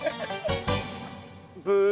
ブー。